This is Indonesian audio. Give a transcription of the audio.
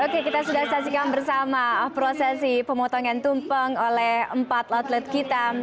oke kita sudah saksikan bersama prosesi pemotongan tumpeng oleh empat outlet kita